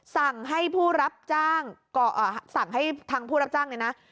สั่งให้ผู้รับจ้างสั่งให้ทางผู้รับจ้างเนี่ยนะ